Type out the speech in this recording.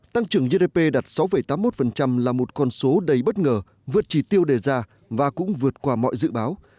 tăng trưởng gdp đạt sáu tám mươi một là một con số đầy bất ngờ vượt chỉ tiêu đề ra và cũng vượt qua mọi dự báo